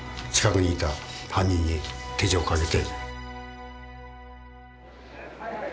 近くにいた犯人に手錠をかけて。